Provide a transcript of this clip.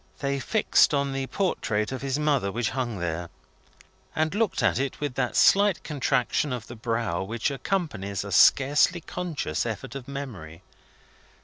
They fixed on the portrait of his mother, which hung there, and looked at it with that slight contraction of the brow which accompanies a scarcely conscious effort of memory.